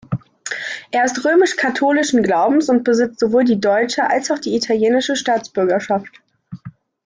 Er ist römisch-katholischen Glaubens und besitzt sowohl die deutsche als auch die italienische Staatsbürgerschaft.